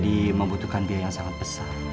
tapi ibu jadi membutuhkan biaya yang sangat besar